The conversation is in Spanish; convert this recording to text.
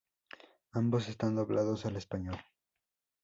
Ambos están doblados al español.